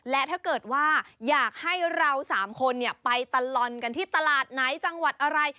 และถ้าเกิดว่าอยากให้เรา๓คนไปตลอดกันที่ตลาดไหนจังหวัดอะไร